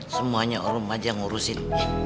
semuanya orm aja ngurusin